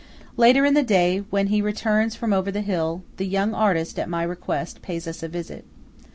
Later in the day, when be returns from "over the hill," the young artist, at my request, pays us a visit.